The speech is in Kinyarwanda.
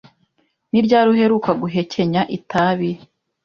Ni ryari uheruka guhekenya itabi?